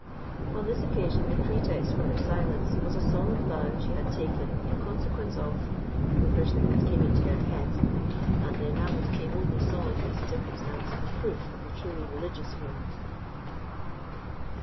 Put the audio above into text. On this occasion the pretext for her silence was a solemn vow she had taken in consequence of the first thing that came into their heads: and the enamoured King only saw in this circumstance the proof of a truly religious feeling.